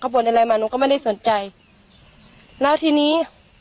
บ่นอะไรมาหนูก็ไม่ได้สนใจแล้วทีนี้